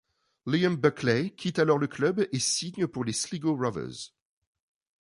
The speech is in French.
Liam Buckley quitte alors le club et signe pour les Sligo Rovers.